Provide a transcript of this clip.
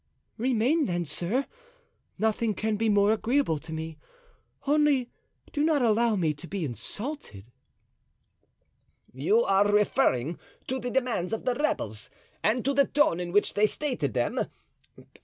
"Remain, then, sir; nothing can be more agreeable to me; only do not allow me to be insulted." "You are referring to the demands of the rebels and to the tone in which they stated them?